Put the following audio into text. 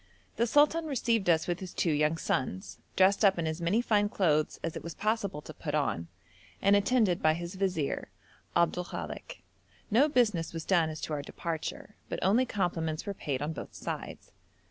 The sultan received us with his two young sons, dressed up in as many fine clothes as it was possible to put on, and attended by his vizier, Abdul Kalek; no business was done as to our departure, but only compliments were paid on both sides.